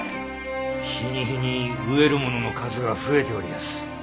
日に日に飢える者の数が増えておりやす。